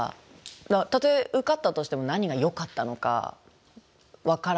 たとえ受かったとしても何がよかったのか分からないんですよね。